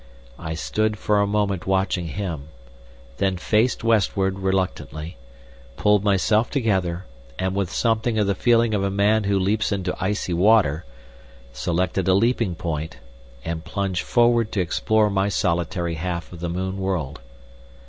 I stood for a moment watching him, then faced westward reluctantly, pulled myself together, and with something of the feeling of a man who leaps into icy water, selected a leaping point, and plunged forward to explore my solitary half of the moon world.